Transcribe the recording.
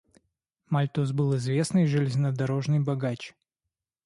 Мальтус был известный железнодорожный богач.